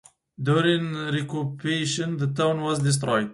During reoccupation the town was destroyed.